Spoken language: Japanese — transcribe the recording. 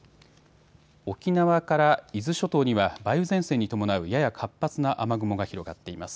沖縄から伊豆諸島には梅雨前線に伴うやや活発な雨雲が広がっています。